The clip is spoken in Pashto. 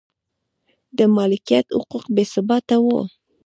د مالکیت حقوق بې ثباته و